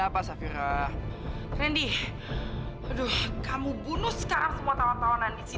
bukan susah gimana ini